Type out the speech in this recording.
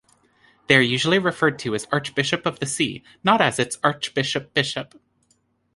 They are usually referred to as Archbishop of the see, not as its Archbishop-Bishop.